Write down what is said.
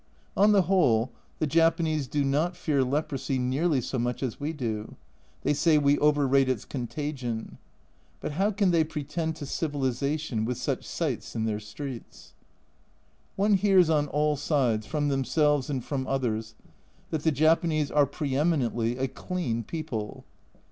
On the whole, the Japanese do not fear leprosy nearly so much as we do, they say we over rate its A Journal from Japan 99 contagion ; but how can they pretend to civilisation with such sights in their streets ? One hears on all sides, from themselves and from others, that the Japanese are pre eminently a clean people.